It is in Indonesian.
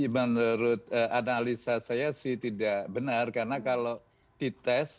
menurut analisa saya sih tidak benar karena kalau dites